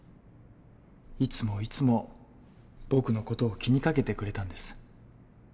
いつもいつも僕の事を気にかけてくれたんです。